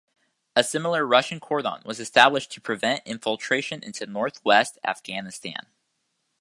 A similar Russian Cordon was established to prevent infiltration into north-west Afghanistan.